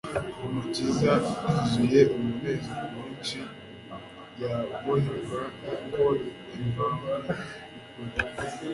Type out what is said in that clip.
Umukiza yuzuye umunezero mwinshi yabonaga ko imvambi y'ukuri